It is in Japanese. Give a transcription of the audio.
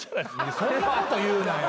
そんなこと言うなよ。